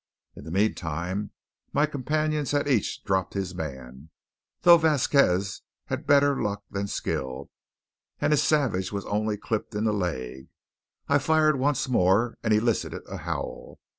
In the meantime my companions had each dropped his man; though Vasquez had better luck than skill, as his savage was only clipped in the leg. I fired once more, and elicited a howl.